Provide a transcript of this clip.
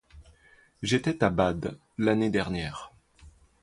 J'étais à Bade, l'année dernière.